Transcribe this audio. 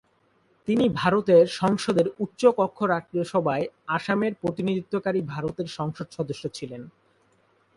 তিনি ভারতের সংসদের উচ্চকক্ষ রাজ্যসভায় আসামের প্রতিনিধিত্বকারী ভারতের সংসদ সদস্য ছিলেন।